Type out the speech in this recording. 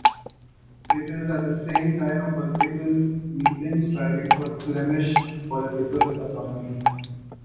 It is at the same time a political meeting striving for Flemish political autonomy.